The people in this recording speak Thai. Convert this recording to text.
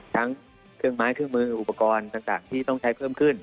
ทั้งเครื่องไม้เครื่องมืออุปกรณ์ต่างที่ต้องใช้เพิ่มขึ้น